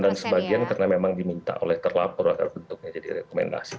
dan sebagian karena memang diminta oleh terlapor agar bentuknya jadi rekomendasi